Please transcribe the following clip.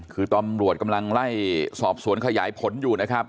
คือตำรวจกำลังไล่สอบสวนขยายผลอยู่นะครับ